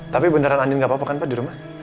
tapi beneran andin gak apa apa kan pak di rumah